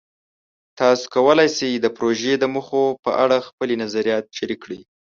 تاسو کولی شئ د پروژې د موخو په اړه خپلې نظریات شریک کړئ.